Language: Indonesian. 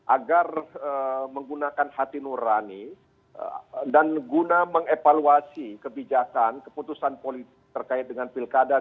agar menggunakan hati nurani dan guna mengevaluasi kebijakan keputusan politik terkait dengan pilkada dua ribu dua puluh